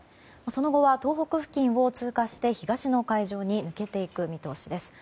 その後は東北付近を通過して東の海上に抜けていく見通しです。